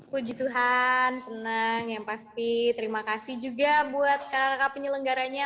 puji tuhan senang yang pasti terima kasih juga buat kakak penyelenggaranya